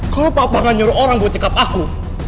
kalau papa nggak nyuruh orang buat cekap aku